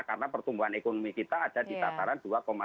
karena pertumbuhan ekonomi kita ada di tataran dua sembilan puluh tujuh